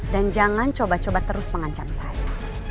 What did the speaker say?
dan jangan coba coba terus mengancam saya